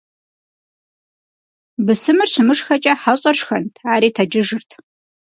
Бысымыр щымышхэкӀэ, хьэщӀэр шхэнт - ари тэджыжырт.